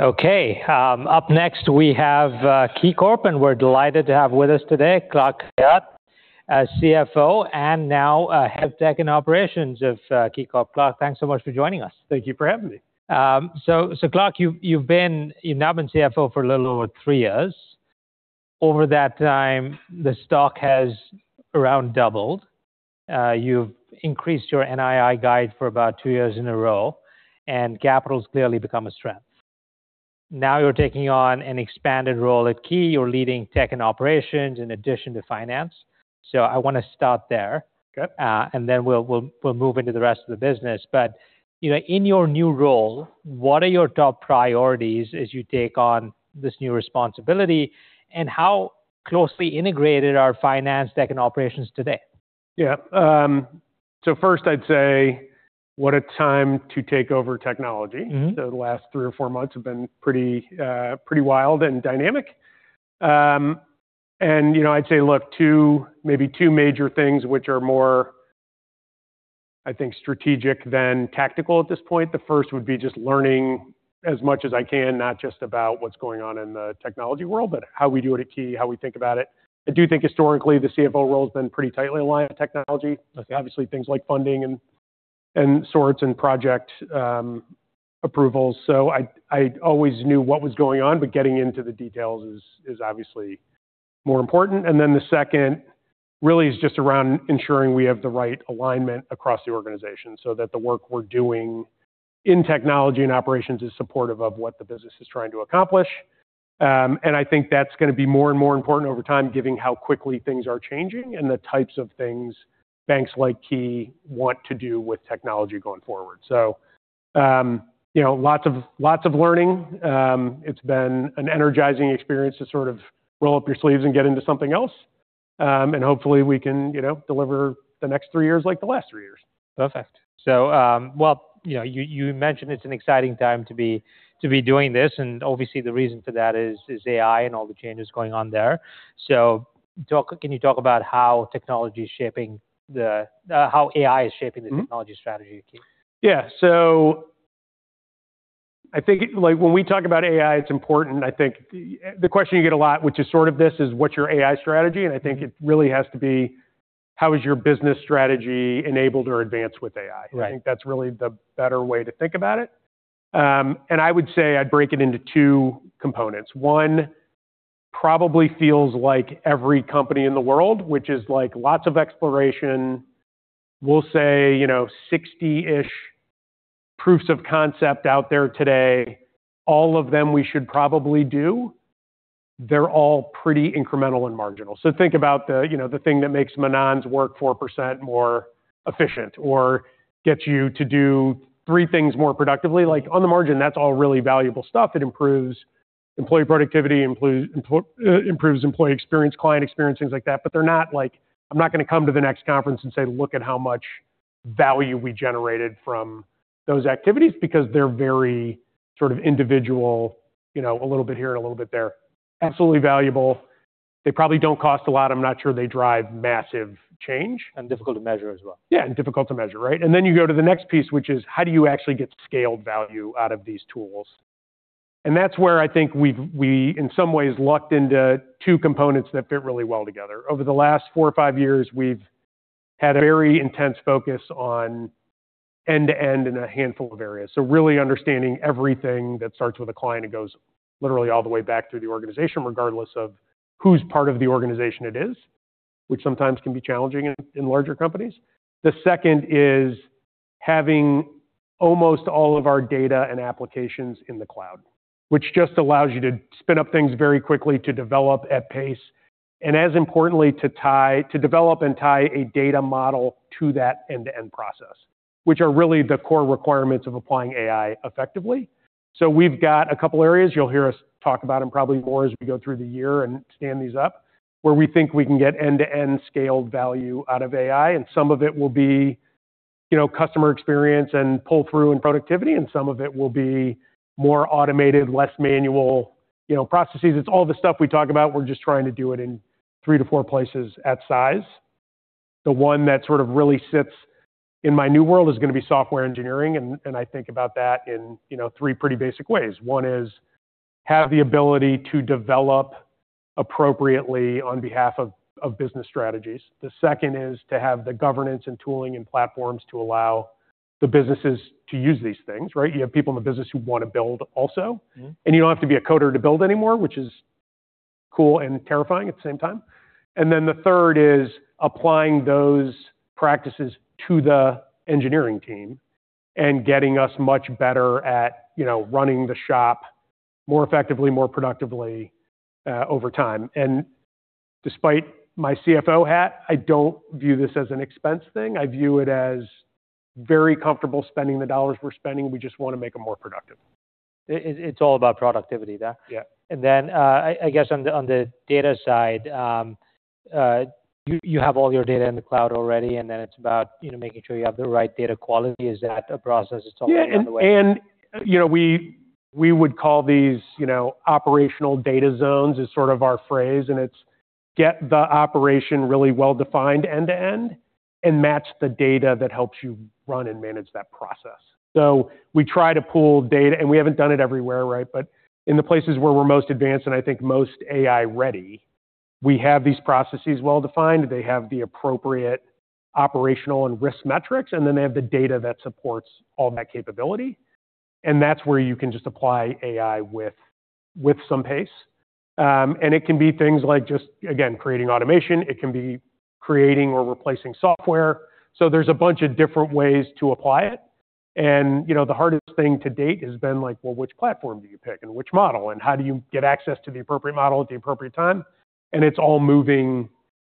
Okay. Up next we have KeyCorp, and we're delighted to have with us today, Clark Khayat, CFO, and now head of tech and operations of KeyCorp. Clark, thanks so much for joining us. Thank you for having me. Clark, you've now been CFO for a little over three years. Over that time, the stock has around doubled. You've increased your NII guide for about two years in a row, and capital's clearly become a strength. Now you're taking on an expanded role at Key. You're leading tech and operations in addition to finance. I want to start there. Okay. Then we'll move into the rest of the business. In your new role, what are your top priorities as you take on this new responsibility, and how closely integrated are finance tech and operations today? Yeah. First I'd say, what a time to take over technology. The last three or four months have been pretty wild and dynamic. I'd say, look, maybe two major things which are more, I think, strategic than tactical at this point. The first would be just learning as much as I can, not just about what's going on in the technology world, but how we do it at Key, how we think about it. I do think historically the CFO role has been pretty tightly aligned with technology. Obviously things like funding and sorts and project approvals. I always knew what was going on, but getting into the details is obviously more important. The second really is just around ensuring we have the right alignment across the organization so that the work we're doing in technology and operations is supportive of what the business is trying to accomplish. I think that's going to be more and more important over time, given how quickly things are changing and the types of things banks like Key want to do with technology going forward. Lots of learning. It's been an energizing experience to sort of roll up your sleeves and get into something else. Hopefully we can deliver the next three years like the last three years. Perfect. Well, you mentioned it's an exciting time to be doing this, obviously the reason for that is AI and all the changes going on there. Can you talk about how AI is shaping the technology strategy at Key? I think when we talk about AI, it's important, I think. The question you get a lot, which is sort of this, is what's your AI strategy? I think it really has to be, how is your business strategy enabled or advanced with AI? Right. I think that's really the better way to think about it. I would say I'd break it into two components. One probably feels like every company in the world, which is lots of exploration. We'll say 60-ish proofs of concept out there today. All of them we should probably do. They're all pretty incremental and marginal. Think about the thing that makes Manon's work 4% more efficient or gets you to do three things more productively. On the margin, that's all really valuable stuff. It improves employee productivity, improves employee experience, client experience, things like that. I'm not going to come to the next conference and say, Look at how much value we generated from those activities, because they're very sort of individual, a little bit here and a little bit there. Absolutely valuable. They probably don't cost a lot. I'm not sure they drive massive change. Difficult to measure as well. Yeah. Difficult to measure, right? Then you go to the next piece, which is how do you actually get scaled value out of these tools? That's where I think we've, in some ways, lucked into two components that fit really well together. Over the last four or five years, we've had a very intense focus on end-to-end in a handful of areas. Really understanding everything that starts with a client and goes literally all the way back through the organization, regardless of who's part of the organization it is, which sometimes can be challenging in larger companies. The second is having almost all of our data and applications in the cloud, which just allows you to spin up things very quickly, to develop at pace, and as importantly, to develop and tie a data model to that end-to-end process, which are really the core requirements of applying AI effectively. We've got a couple areas you'll hear us talk about, and probably more as we go through the year and stand these up, where we think we can get end-to-end scaled value out of AI, and some of it will be customer experience and pull-through and productivity, and some of it will be more automated, less manual processes. It's all the stuff we talk about. We're just trying to do it in three to four places at size. The one that sort of really sits in my new world is going to be software engineering, and I think about that in three pretty basic ways. One is have the ability to develop appropriately on behalf of business strategies. The second is to have the governance and tooling and platforms to allow the businesses to use these things, right? You have people in the business who want to build also. You don't have to be a coder to build anymore, which is cool and terrifying at the same time. Then the third is applying those practices to the engineering team and getting us much better at running the shop more effectively, more productively over time. Despite my CFO hat, I don't view this as an expense thing. I view it as very comfortable spending the dollars we're spending. We just want to make them more productive. It's all about productivity, then? Yeah. I guess on the data side, you have all your data in the cloud already, and then it's about making sure you have the right data quality. Is that a process that's ongoing as well? Yeah. We would call these operational data zones is sort of our phrase. Get the operation really well-defined end-to-end, and match the data that helps you run and manage that process. We try to pull data, and we haven't done it everywhere, right? In the places where we're most advanced, and I think most AI-ready, we have these processes well-defined. They have the appropriate operational and risk metrics, and then they have the data that supports all that capability, and that's where you can just apply AI with some pace. It can be things like just, again, creating automation. It can be creating or replacing software. There's a bunch of different ways to apply it. The hardest thing to date has been, well, which platform do you pick, and which model? How do you get access to the appropriate model at the appropriate time? It's all moving.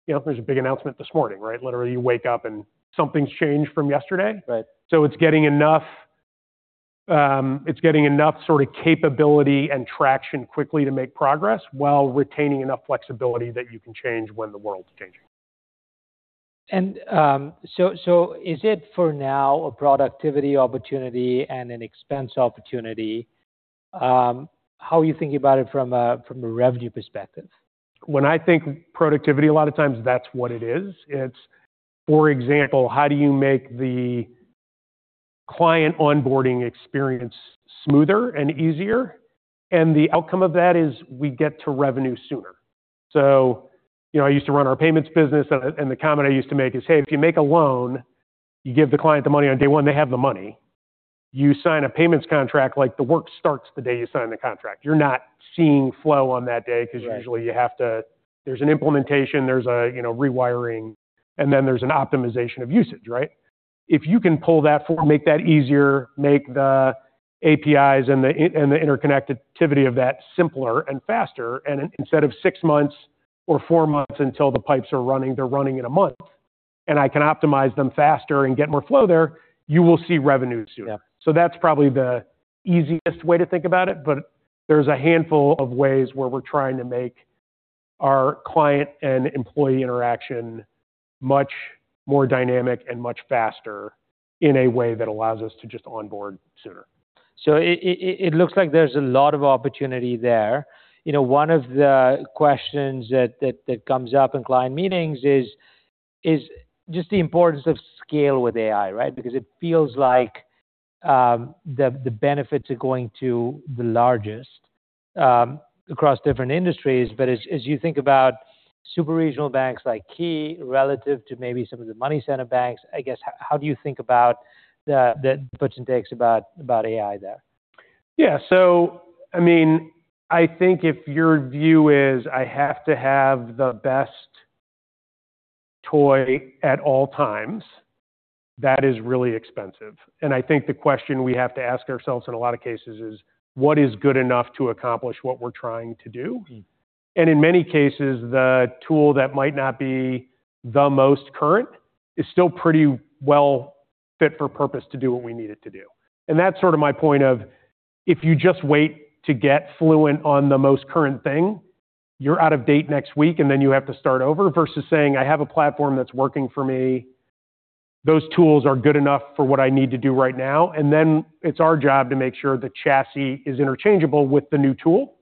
There's a big announcement this morning, right? Literally, you wake up and something's changed from yesterday. Right. It's getting enough capability and traction quickly to make progress, while retaining enough flexibility that you can change when the world's changing. Is it for now a productivity opportunity and an expense opportunity? How are you thinking about it from a revenue perspective? When I think productivity, a lot of times that's what it is. It's, for example, how do you make the client onboarding experience smoother and easier? The outcome of that is we get to revenue sooner. I used to run our payments business, and the comment I used to make is, Hey, if you make a loan, you give the client the money on day one, they have the money. You sign a payments contract, the work starts the day you sign the contract. You're not seeing flow on that day- Right because usually there's an implementation, there's a rewiring, and then there's an optimization of usage, right? If you can pull that forward, make that easier, make the APIs and the interconnectivity of that simpler and faster. Instead of six months or four months until the pipes are running, they're running in a month. I can optimize them faster and get more flow there, you will see revenue sooner. Yeah. That's probably the easiest way to think about it, but there's a handful of ways where we're trying to make our client and employee interaction much more dynamic and much faster in a way that allows us to just onboard sooner. It looks like there's a lot of opportunity there. One of the questions that comes up in client meetings is just the importance of scale with AI, right? Because it feels like the benefits are going to the largest across different industries. As you think about super-regional banks like Key relative to maybe some of the money center banks, I guess, how do you think about the gives and takes about AI there? Yeah. I think if your view is I have to have the best toy at all times, that is really expensive. I think the question we have to ask ourselves in a lot of cases is, what is good enough to accomplish what we're trying to do? In many cases, the tool that might not be the most current is still pretty well fit for purpose to do what we need it to do. That's sort of my point of, if you just wait to get fluent on the most current thing, you're out of date next week, then you have to start over, versus saying, I have a platform that's working for me. Those tools are good enough for what I need to do right now. Then it's our job to make sure the chassis is interchangeable with the new tool.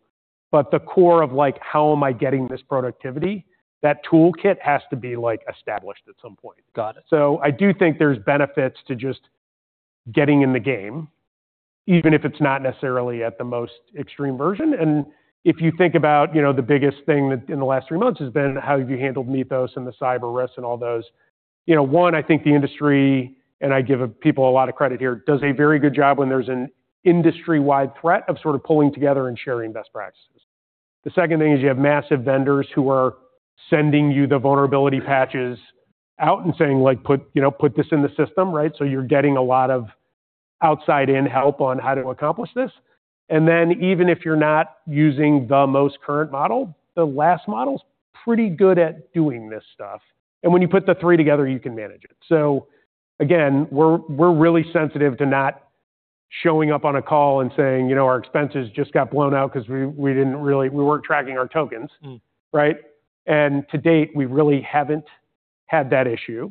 The core of how am I getting this productivity? That tool kit has to be established at some point. Got it. I do think there's benefits to just getting in the game, even if it's not necessarily at the most extreme version. If you think about the biggest thing that in the last three months has been how have you handled Mythos and the cyber risks and all those. One, I think the industry, and I give people a lot of credit here, does a very good job when there's an industry-wide threat of sort of pulling together and sharing best practices. The second thing is you have massive vendors who are sending you the vulnerability patches out and saying, Put this in the system. Right? You're getting a lot of outside in help on how to accomplish this. Then even if you're not using the most current model, the last model's pretty good at doing this stuff. When you put the three together, you can manage it. Again, we're really sensitive to not showing up on a call and saying, Our expenses just got blown out because we weren't tracking our tokens. Right? To date, we really haven't had that issue.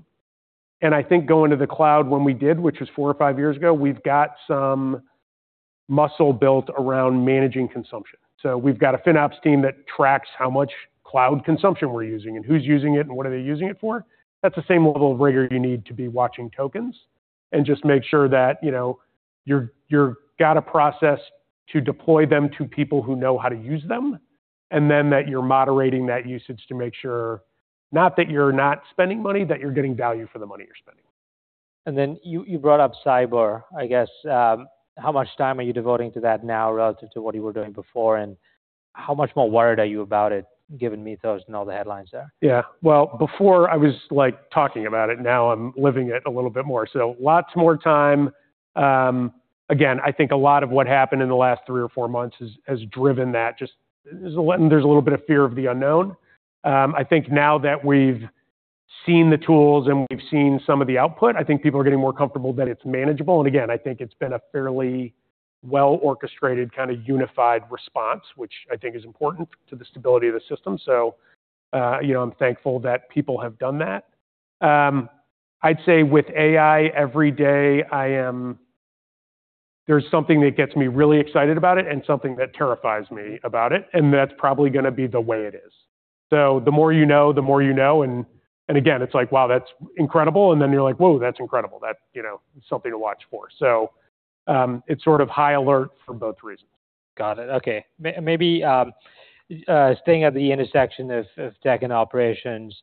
I think going to the cloud when we did, which was four or five years ago, we've got some muscle built around managing consumption. We've got a FinOps team that tracks how much cloud consumption we're using and who's using it and what are they using it for. That's the same level of rigor you need to be watching tokens. Just make sure that you've got a process to deploy them to people who know how to use them, and then that you're moderating that usage to make sure not that you're not spending money, that you're getting value for the money you're spending. You brought up cyber, I guess. How much time are you devoting to that now relative to what you were doing before, and how much more worried are you about it given Mythos and all the headlines there? Yeah. Well, before I was talking about it. Now I'm living it a little bit more. Lots more time. I think a lot of what happened in the last three or four months has driven that. There's a little bit of fear of the unknown. I think now that we've seen the tools and we've seen some of the output, I think people are getting more comfortable that it's manageable. I think it's been a fairly well-orchestrated, kind of unified response, which I think is important to the stability of the system. I'm thankful that people have done that. I'd say with AI every day There's something that gets me really excited about it and something that terrifies me about it, and that's probably going to be the way it is. The more you know, the more you know. It's like, wow, that's incredible, and then you're like, whoa, that's incredible. That's something to watch for. It's sort of high alert for both reasons. Got it. Okay. Maybe staying at the intersection of tech and operations,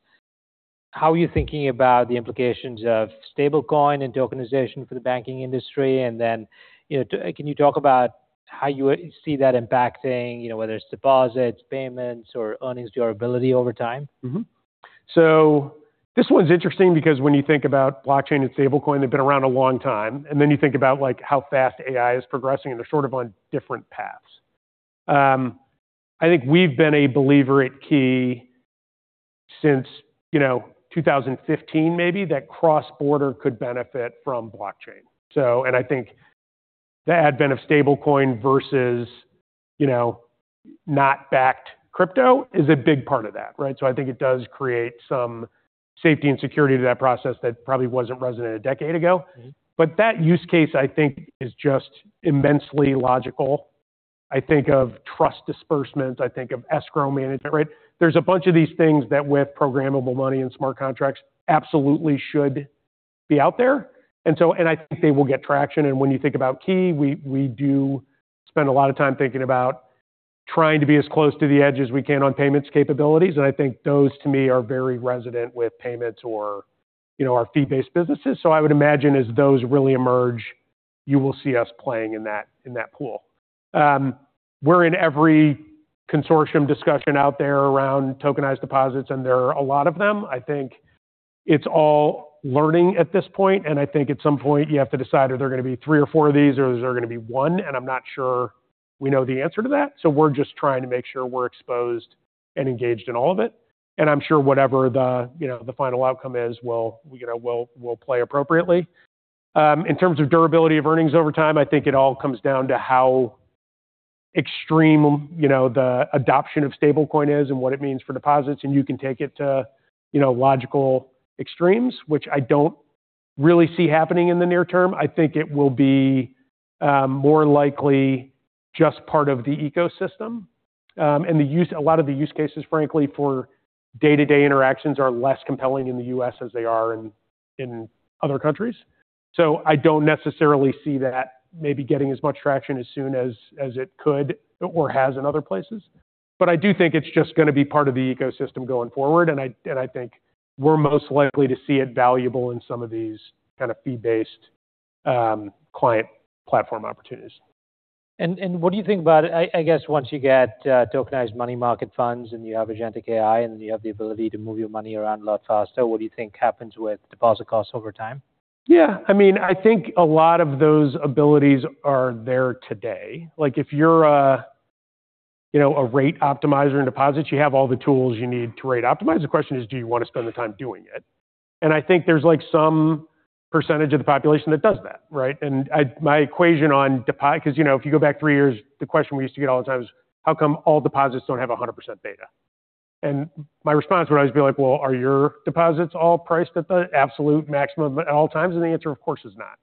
how are you thinking about the implications of stablecoin and tokenization for the banking industry? Can you talk about how you see that impacting, whether it's deposits, payments, or earnings durability over time? This one's interesting because when you think about blockchain and stablecoin, they've been around a long time, then you think about how fast AI is progressing, and they're sort of on different paths. I think we've been a believer at Key since 2015 maybe, that cross-border could benefit from blockchain. I think the advent of stablecoin versus not backed crypto is a big part of that. I think it does create some safety and security to that process that probably wasn't resident a decade ago. That use case, I think is just immensely logical. I think of trust disbursements. I think of escrow management. There's a bunch of these things that with programmable money and smart contracts, absolutely should be out there. I think they will get traction. When you think about Key, we do spend a lot of time thinking about trying to be as close to the edge as we can on payments capabilities. I think those to me are very resonant with payments or our fee-based businesses. I would imagine as those really emerge, you will see us playing in that pool. We're in every consortium discussion out there around tokenized deposits, and there are a lot of them. I think it's all learning at this point. I think at some point you have to decide, are there going to be three or four of these or is there going to be one? I'm not sure we know the answer to that. We're just trying to make sure we're exposed and engaged in all of it. I'm sure whatever the final outcome is, we'll play appropriately. In terms of durability of earnings over time, I think it all comes down to how extreme the adoption of stablecoin is and what it means for deposits. You can take it to logical extremes, which I don't really see happening in the near term. I think it will be more likely just part of the ecosystem. A lot of the use cases, frankly, for day-to-day interactions are less compelling in the U.S. as they are in other countries. I don't necessarily see that maybe getting as much traction as soon as it could or has in other places. I do think it's just going to be part of the ecosystem going forward. I think we're most likely to see it valuable in some of these kind of fee-based client platform opportunities. What do you think about, I guess once you get tokenized money market funds and you have agentic AI, and you have the ability to move your money around a lot faster, what do you think happens with deposit costs over time? Yeah. I think a lot of those abilities are there today. If you're a rate optimizer in deposits, you have all the tools you need to rate optimize. The question is, do you want to spend the time doing it? I think there's some percentage of the population that does that. My equation on because if you go back three years, the question we used to get all the time is, How come all deposits don't have 100% data? My response would always be, Well, are your deposits all priced at the absolute maximum at all times? The answer, of course, is not.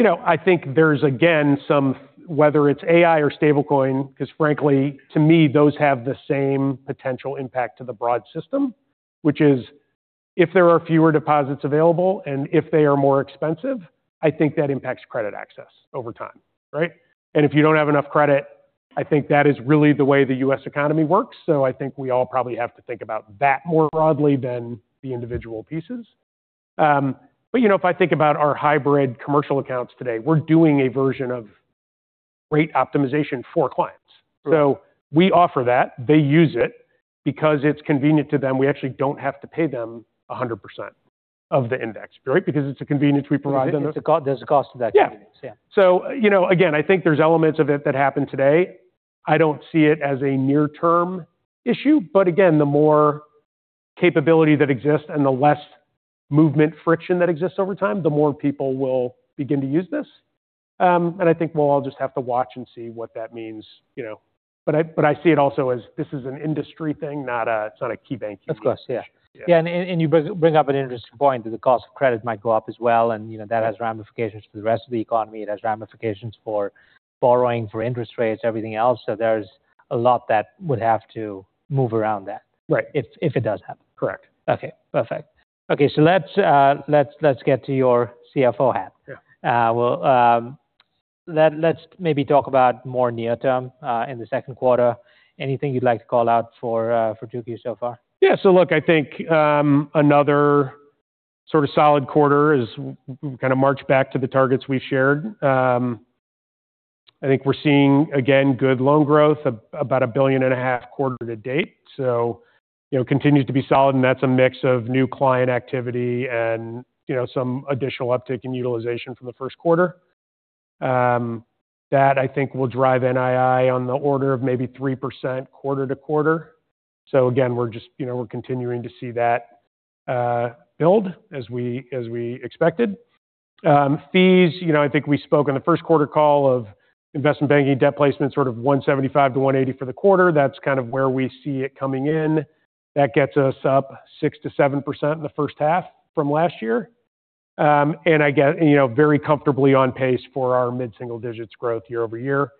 I think there's again, some, whether it's AI or stablecoin, because frankly, to me, those have the same potential impact to the broad system. Which is if there are fewer deposits available and if they are more expensive, I think that impacts credit access over time. If you don't have enough credit, I think that is really the way the U.S. economy works. I think we all probably have to think about that more broadly than the individual pieces. If I think about our hybrid commercial accounts today, we're doing a version of rate optimization for clients. Right. We offer that. They use it because it's convenient to them. We actually don't have to pay them 100% of the index because it's a convenience we provide them. There's a cost to that convenience. Yeah. Yeah. Again, I think there's elements of it that happen today. I don't see it as a near-term issue. Again, the more capability that exists and the less movement friction that exists over time, the more people will begin to use this. I think we'll all just have to watch and see what that means. I see it also as this is an industry thing, not a KeyBank thing. Of course. Yeah. Yeah. You bring up an interesting point that the cost of credit might go up as well, and that has ramifications for the rest of the economy. It has ramifications for borrowing, for interest rates, everything else. There's a lot that would have to move around that. Right. If it does happen. Correct. Okay. Perfect. Okay, let's get to your CFO hat. Yeah. Let's maybe talk about more near term, in the second quarter. Anything you'd like to call out for 2Q so far? Yeah. Look, I think another sort of solid quarter is kind of march back to the targets we shared. I think we're seeing, again, good loan growth, about a billion and a half quarter to date. Continues to be solid, and that's a mix of new client activity and some additional uptick in utilization from the first quarter. That I think will drive NII on the order of maybe 3% quarter-to-quarter. Again, we're continuing to see that build as we expected. Fees, I think we spoke on the first quarter call of investment banking debt placement sort of $175-$180 for the quarter. That's kind of where we see it coming in. That gets us up 6%-7% in the first half from last year. Again, very comfortably on pace for our mid-single digits growth year-over-year.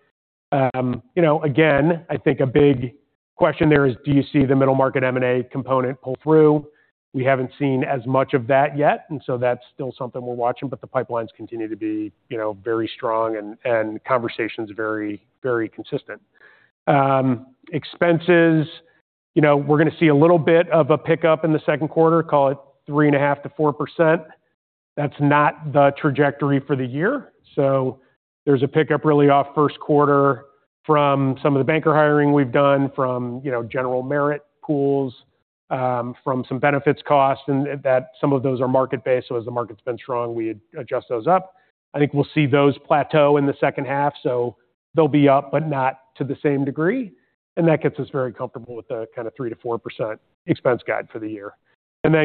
I think a big question there is do you see the middle market M&A component pull through? We haven't seen as much of that yet, that's still something we're watching, but the pipelines continue to be very strong and conversations very consistent. Expenses. We're going to see a little bit of a pickup in the second quarter, call it 3.5%-4%. That's not the trajectory for the year. There's a pickup really off first quarter from some of the banker hiring we've done from general merit pools, from some benefits costs and some of those are market-based. As the market's been strong, we adjust those up. I think we'll see those plateau in the second half. They'll be up, but not to the same degree. That gets us very comfortable with the kind of 3%-4% expense guide for the year.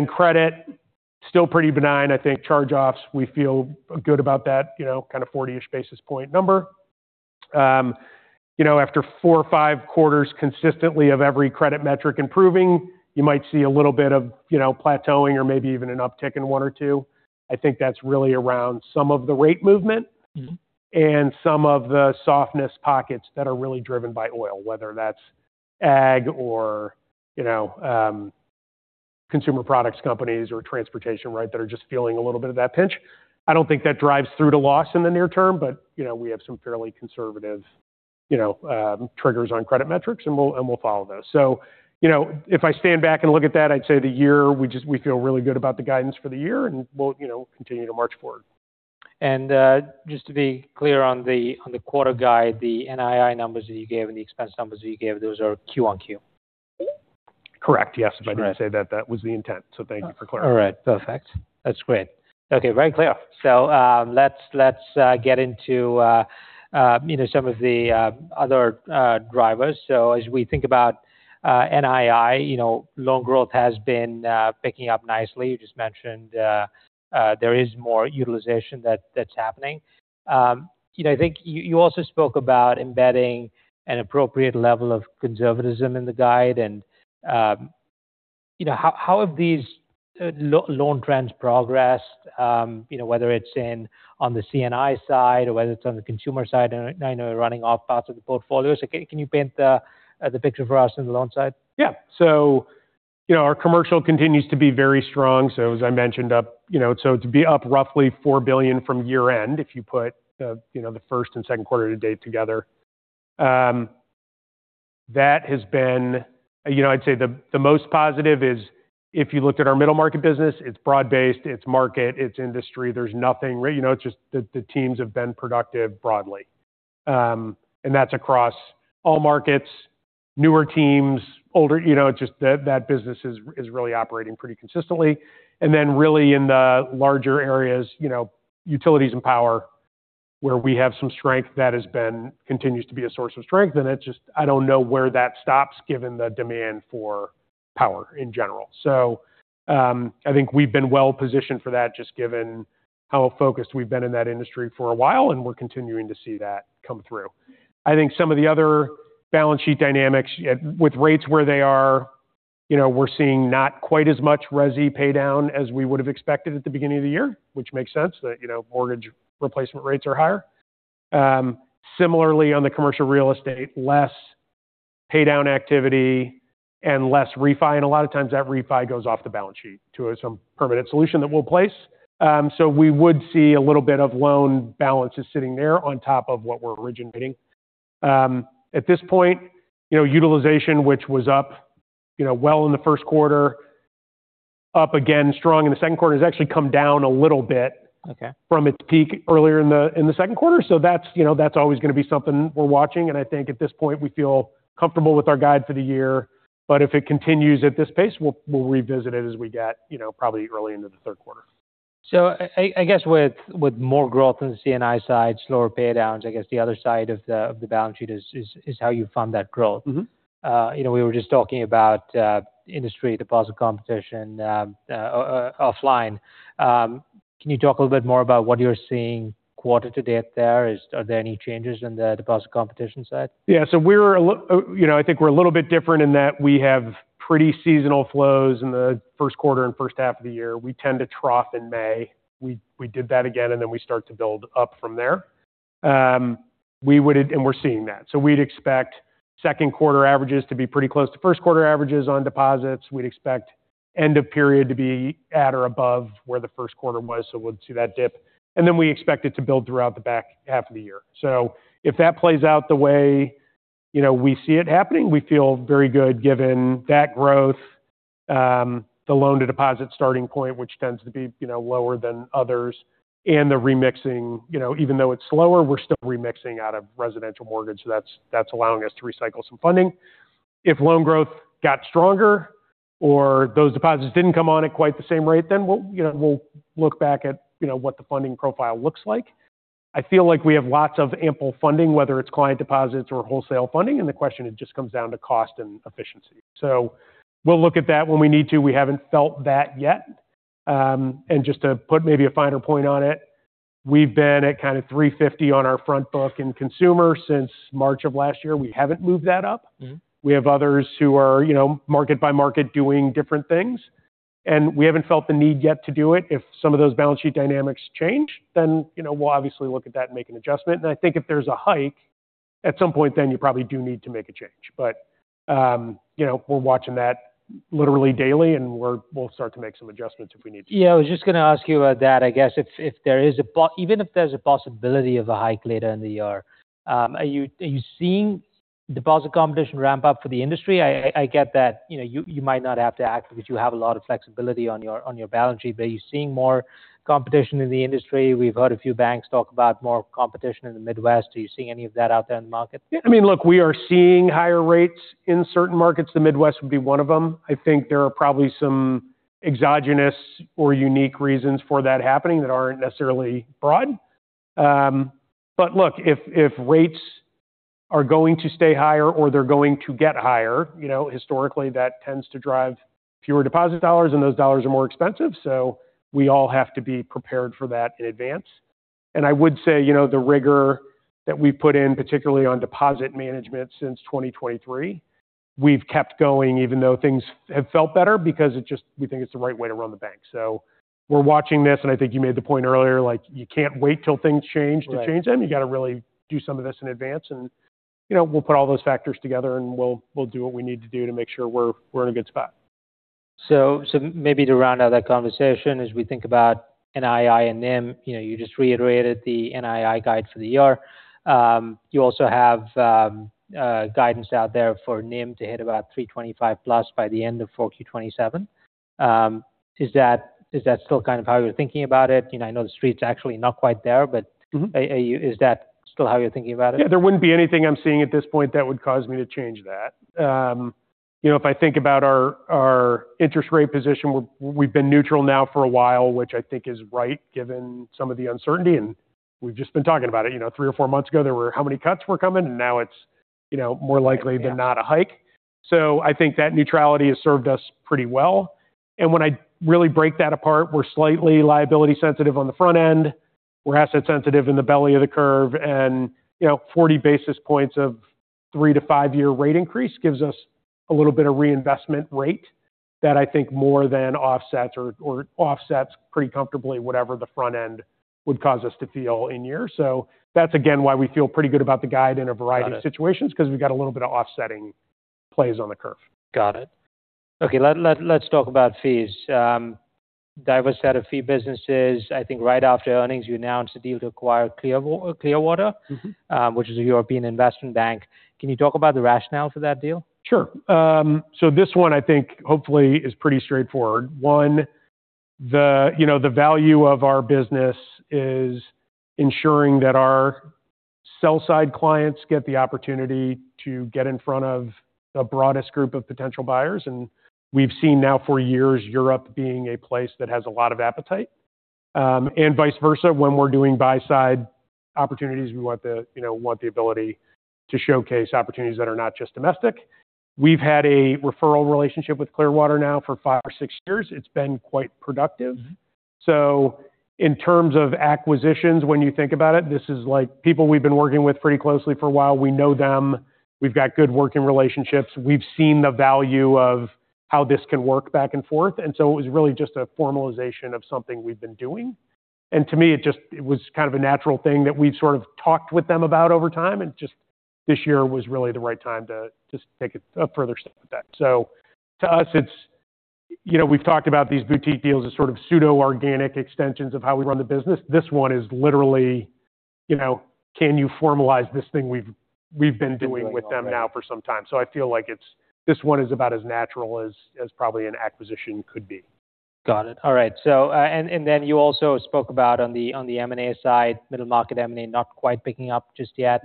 Credit, still pretty benign. I think charge-offs, we feel good about that kind of 40-ish basis point number. After four or five quarters consistently of every credit metric improving, you might see a little bit of plateauing or maybe even an uptick in one or two. I think that's really around some of the rate movement and some of the softness pockets that are really driven by oil, whether that's ag or consumer products companies or transportation that are just feeling a little bit of that pinch. I don't think that drives through to loss in the near term, but we have some fairly conservative triggers on credit metrics, and we'll follow those. If I stand back and look at that, I'd say the year, we feel really good about the guidance for the year, and we'll continue to march forward. Just to be clear on the quarter guide, the NII numbers that you gave and the expense numbers that you gave, those are Q-on-Q. Correct. Yes. Sure. If I didn't say that was the intent. Thank you for clarifying. All right. Perfect. That's great. Okay, very clear. Let's get into some of the other drivers. As we think about NII, loan growth has been picking up nicely. You just mentioned there is more utilization that's happening. I think you also spoke about embedding an appropriate level of conservatism in the guide. How have these loan trends progressed? Whether it's on the C&I side or whether it's on the consumer side, and I know you're running off parts of the portfolio. Can you paint the picture for us on the loan side? Yeah. Our commercial continues to be very strong. As I mentioned, to be up roughly $4 billion from year-end if you put the first and second quarter to date together. I'd say the most positive is if you looked at our middle market business, it's broad-based, it's market, it's industry. The teams have been productive broadly. That's across all markets, newer teams, older. Just that business is really operating pretty consistently. Then really in the larger areas, utilities and power, where we have some strength that continues to be a source of strength. I don't know where that stops given the demand for power in general. I think we've been well-positioned for that just given how focused we've been in that industry for a while, and we're continuing to see that come through. I think some of the other balance sheet dynamics with rates where they are, we're seeing not quite as much resi paydown as we would have expected at the beginning of the year, which makes sense that mortgage replacement rates are higher. Similarly, on the commercial real estate, less paydown activity and less refi. A lot of times that refi goes off the balance sheet to some permanent solution that we'll place. We would see a little bit of loan balances sitting there on top of what we're originating. At this point, utilization, which was up well in the first quarter, up again strong in the second quarter, has actually come down a little bit. Okay from its peak earlier in the second quarter. That's always going to be something we're watching, and I think at this point we feel comfortable with our guide for the year. If it continues at this pace, we'll revisit it as we get probably early into the third quarter. I guess with more growth on the C&I side, slower paydowns, I guess the other side of the balance sheet is how you fund that growth. We were just talking about industry deposit competition offline. Can you talk a little bit more about what you're seeing quarter to date there? Are there any changes in the deposit competition side? Yeah. I think we're a little bit different in that we have pretty seasonal flows in the first quarter and first half of the year. We tend to trough in May. We did that again, then we start to build up from there. We're seeing that. We'd expect second quarter averages to be pretty close to first quarter averages on deposits. We'd expect end of period to be at or above where the first quarter was. We'll see that dip. Then we expect it to build throughout the back half of the year. If that plays out the way we see it happening, we feel very good given that growth, the loan-to-deposit starting point, which tends to be lower than others, and the remixing. Even though it's slower, we're still remixing out of residential mortgage. That's allowing us to recycle some funding. If loan growth got stronger or those deposits didn't come on at quite the same rate, then we'll look back at what the funding profile looks like. I feel like we have lots of ample funding, whether it's client deposits or wholesale funding, the question just comes down to cost and efficiency. We'll look at that when we need to. We haven't felt that yet. Just to put maybe a finer point on it. We've been at kind of 350 on our front book in consumer since March of last year. We haven't moved that up. We have others who are market by market doing different things, we haven't felt the need yet to do it. If some of those balance sheet dynamics change, we'll obviously look at that and make an adjustment. I think if there's a hike at some point, you probably do need to make a change. We're watching that literally daily, we'll start to make some adjustments if we need to. Yeah, I was just going to ask you about that. I guess even if there's a possibility of a hike later in the year, are you seeing deposit competition ramp up for the industry? I get that you might not have to act because you have a lot of flexibility on your balance sheet, are you seeing more competition in the industry? We've heard a few banks talk about more competition in the Midwest. Are you seeing any of that out there in the market? Yeah. Look, we are seeing higher rates in certain markets. The Midwest would be one of them. I think there are probably some exogenous or unique reasons for that happening that aren't necessarily broad. Look, if rates are going to stay higher or they're going to get higher, historically, that tends to drive fewer deposit dollars, and those dollars are more expensive. We all have to be prepared for that in advance. I would say the rigor that we've put in, particularly on deposit management since 2023, we've kept going even though things have felt better because we think it's the right way to run the bank. We're watching this, and I think you made the point earlier, like you can't wait till things change to change them. Right. You got to really do some of this in advance, and we'll put all those factors together and we'll do what we need to do to make sure we're in a good spot. Maybe to round out that conversation as we think about NII and NIM, you just reiterated the NII guide for the year. You also have guidance out there for NIM to hit about 325+ by the end of 4Q27. Is that still kind of how you're thinking about it? I know the Street's actually not quite there. Is that still how you're thinking about it? Yeah. There wouldn't be anything I'm seeing at this point that would cause me to change that. If I think about our interest rate position, we've been neutral now for a while, which I think is right given some of the uncertainty, and we've just been talking about it. Three or four months ago, there were how many cuts were coming, and now it's more likely than not a hike. I think that neutrality has served us pretty well. When I really break that apart, we're slightly liability sensitive on the front end. We're asset sensitive in the belly of the curve, and 40 basis points of three- to five-year rate increase gives us a little bit of reinvestment rate that I think more than offsets or offsets pretty comfortably whatever the front end would cause us to feel in year. That's again why we feel pretty good about the guide in a variety of situations because we've got a little bit of offsetting plays on the curve. Got it. Okay. Let's talk about fees. Diverse set of fee businesses. I think right after earnings, you announced a deal to acquire Clearwater. Which is a European investment bank. Can you talk about the rationale for that deal? Sure. This one I think hopefully is pretty straightforward. One, the value of our business is ensuring that our sell-side clients get the opportunity to get in front of the broadest group of potential buyers. We've seen now for years Europe being a place that has a lot of appetite. Vice versa, when we're doing buy side opportunities, we want the ability to showcase opportunities that are not just domestic. We've had a referral relationship with Clearwater now for five or six years. It's been quite productive. In terms of acquisitions, when you think about it, this is like people we've been working with pretty closely for a while. We know them. We've got good working relationships. We've seen the value of how this can work back and forth. It was really just a formalization of something we've been doing. To me, it was kind of a natural thing that we've sort of talked with them about over time. Just this year was really the right time to just take it a further step with that. To us, we've talked about these boutique deals as sort of pseudo-organic extensions of how we run the business. This one is literally, can you formalize this thing we've been doing with them now for some time. I feel like this one is about as natural as probably an acquisition could be. Got it. All right. You also spoke about on the M&A side, middle market M&A not quite picking up just yet.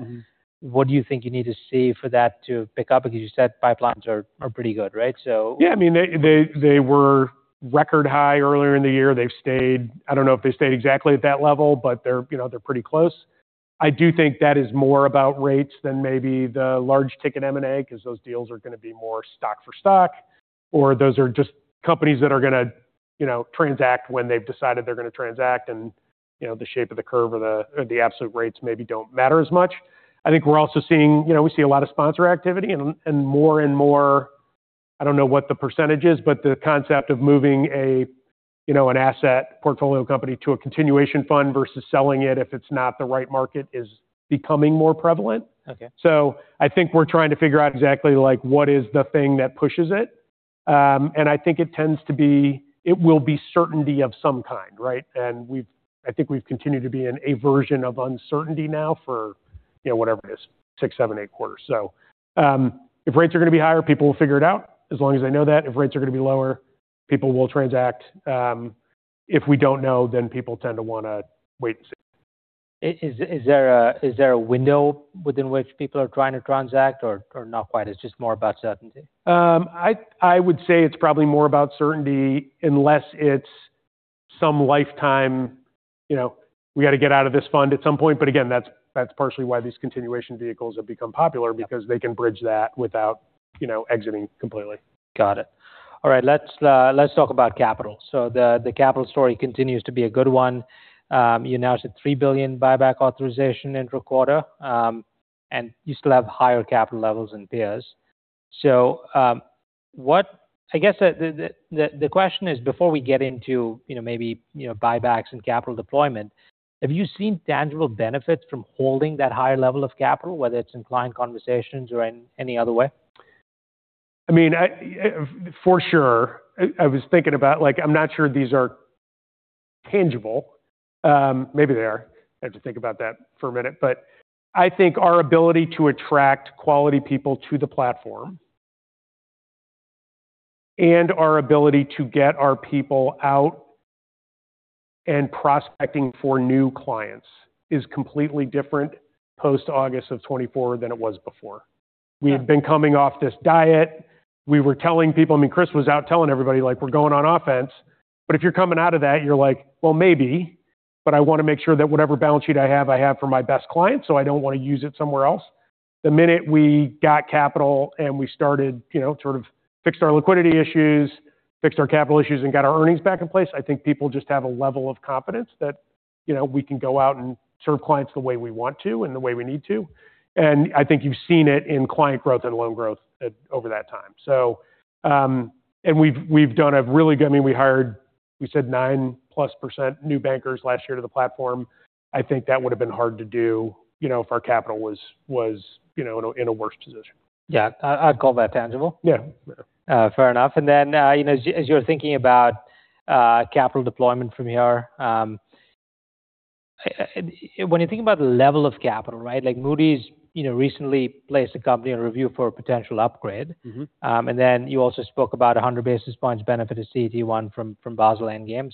What do you think you need to see for that to pick up? Because you said pipelines are pretty good, right? They were record high earlier in the year. I don't know if they stayed exactly at that level, but they're pretty close. I do think that is more about rates than maybe the large ticket M&A because those deals are going to be more stock for stock, or those are just companies that are going to transact when they've decided they're going to transact and the shape of the curve or the absolute rates maybe don't matter as much. I think we're also seeing a lot of sponsor activity and more and more, I don't know what the percentage is, but the concept of moving an asset portfolio company to a continuation fund versus selling it if it's not the right market is becoming more prevalent. Okay. I think we're trying to figure out exactly what is the thing that pushes it. I think it tends to be it will be certainty of some kind, right? I think we've continued to be in aversion of uncertainty now for whatever it is, six, seven, eight quarters. If rates are going to be higher, people will figure it out as long as they know that. If rates are going to be lower, people will transact. If we don't know, people tend to want to wait and see. Is there a window within which people are trying to transact or not quite? It's just more about certainty. I would say it's probably more about certainty unless it's some lifetime, we got to get out of this fund at some point. Again, that's partially why these continuation vehicles have become popular because they can bridge that without exiting completely. Got it. All right. Let's talk about capital. The capital story continues to be a good one. You announced a $3 billion buyback authorization intro quarter. You still have higher capital levels than peers. I guess the question is, before we get into maybe buybacks and capital deployment, have you seen tangible benefits from holding that higher level of capital, whether it's in client conversations or any other way? For sure. I was thinking about, I'm not sure these are tangible. Maybe they are. I have to think about that for a minute. I think our ability to attract quality people to the platform and our ability to get our people out and prospecting for new clients is completely different post August of 2024 than it was before. Yeah. We had been coming off this diet. We were telling people, I mean, Chris was out telling everybody, We're going on offense. If you're coming out of that, you're like, Well, maybe, but I want to make sure that whatever balance sheet I have, I have for my best client, so I don't want to use it somewhere else. The minute we got capital and we started sort of fixed our liquidity issues, fixed our capital issues, and got our earnings back in place, I think people just have a level of confidence that we can go out and serve clients the way we want to and the way we need to. I think you've seen it in client growth and loan growth over that time. We've done a really good-- I mean, we hired, we said 9-plus% new bankers last year to the platform. I think that would've been hard to do if our capital was in a worse position. Yeah. I'd call that tangible. Yeah. Fair enough. As you're thinking about capital deployment from here. When you think about the level of capital, right? Moody's recently placed the company on review for a potential upgrade. You also spoke about 100 basis points benefit of CET1 from Basel Endgame.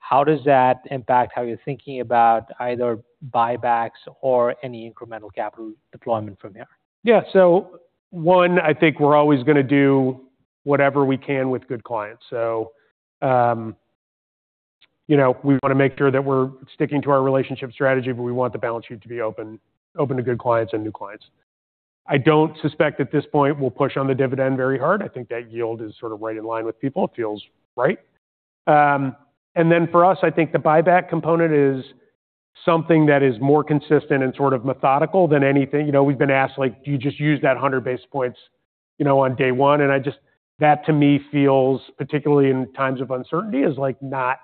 How does that impact how you're thinking about either buybacks or any incremental capital deployment from there? One, I think we're always going to do whatever we can with good clients. We want to make sure that we're sticking to our relationship strategy, but we want the balance sheet to be open to good clients and new clients. I don't suspect at this point we'll push on the dividend very hard. I think that yield is sort of right in line with people. It feels right. For us, I think the buyback component is something that is more consistent and sort of methodical than anything. We've been asked, Do you just use that 100 basis points on day one? That to me feels, particularly in times of uncertainty, is not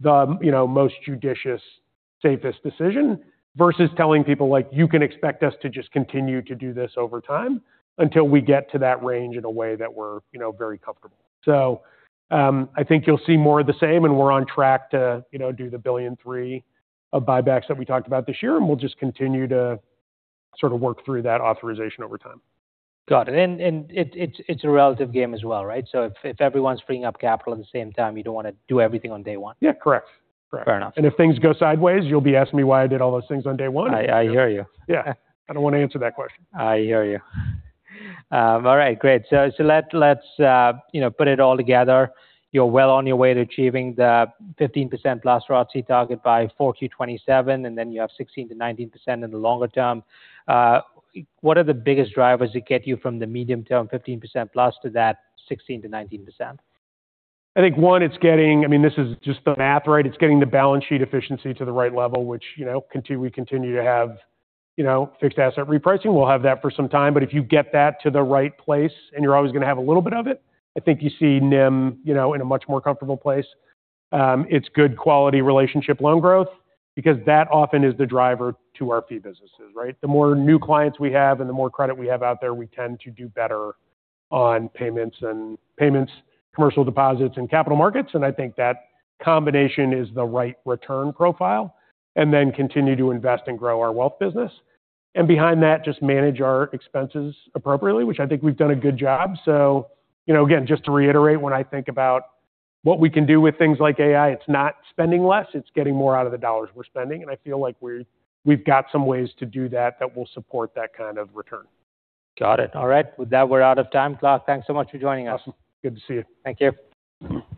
the most judicious, safest decision. Versus telling people, You can expect us to just continue to do this over time until we get to that range in a way that we're very comfortable. I think you'll see more of the same, and we're on track to do the $1.3 billion of buybacks that we talked about this year, and we'll just continue to sort of work through that authorization over time. Got it. It's a relative game as well, right? If everyone's freeing up capital at the same time, you don't want to do everything on day one. Yeah, correct. Fair enough. If things go sideways, you'll be asking me why I did all those things on day one. I hear you. Yeah. I don't want to answer that question. I hear you. All right, great. Let's put it all together. You're well on your way to achieving the 15%-plus ROTCE target by 4Q 2027, then you have 16%-19% in the longer term. What are the biggest drivers that get you from the medium term 15%-plus to that 16%-19%? I think, one. I mean, this is just the math, right? It's getting the balance sheet efficiency to the right level, which we continue to have fixed asset repricing. We'll have that for some time. If you get that to the right place, and you're always going to have a little bit of it. I think you see NIM in a much more comfortable place. It's good quality relationship loan growth because that often is the driver to our fee businesses, right? The more new clients we have and the more credit we have out there, we tend to do better on payments and commercial deposits and capital markets. I think that combination is the right return profile. Continue to invest and grow our wealth business. Behind that, just manage our expenses appropriately, which I think we've done a good job. Again, just to reiterate, when I think about what we can do with things like AI, it's not spending less, it's getting more out of the $ we're spending. I feel like we've got some ways to do that that will support that kind of return. Got it. All right. With that, we're out of time. Clark, thanks so much for joining us. Awesome. Good to see you. Thank you.